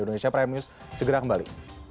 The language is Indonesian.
indonesia prime news segera kembali